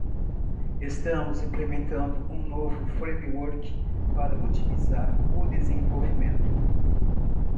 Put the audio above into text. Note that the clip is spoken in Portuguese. Estamos implementando um novo framework para otimizar o desenvolvimento.